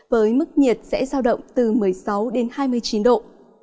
với mức nhiệt sẽ giao động từ một mươi sáu đến hai mươi chín độ